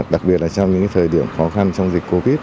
đặc biệt là trong những thời điểm khó khăn trong dịch covid một mươi chín